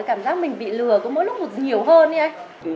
cảm giác mình bị lừa có mỗi lúc được nhiều hơn